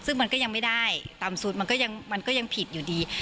ซึ่งมันก็ยังไม่ได้ต่ำสุดมันก็ยังผิดอยู่ดี